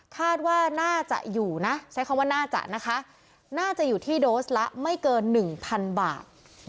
คาดว่าน่าจะอยู่นะใช้คำว่าน่าจะนะคะน่าจะอยู่ที่โดสละไม่เกินหนึ่งพันบาท